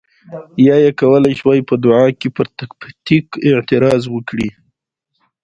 یا یې کولای شوای په دعا کې پر تفکیک اعتراض وکړي.